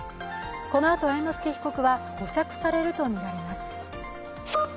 このあと、猿之助被告は保釈されるとみられます。